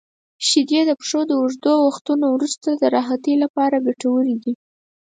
• شیدې د پښو د اوږدو وختونو وروسته د راحتۍ لپاره ګټورې دي.